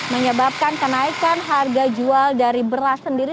menyebabkan kenaikan harga jual dari beras sendiri